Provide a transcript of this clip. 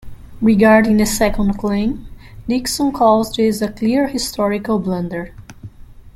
Regarding the second claim, Dickson calls this a "clear historical blunder".